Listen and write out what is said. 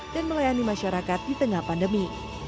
dan melayani masyarakat di tengah pandemi